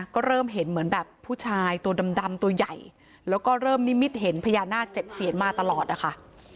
ก็เริ่มเห็นเหมือนแบบผู้ชายตัวดำตัวใหญ่แล้วก็เริ่มนิมิตเห็นพญานาคเจ็ดเซียนมาตลอดนะคะ